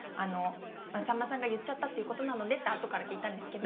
「さんまさんが言っちゃったっていうことなので」って後から聞いたんですけど。